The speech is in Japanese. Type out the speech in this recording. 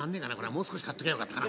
もう少し買っときゃよかったかな」。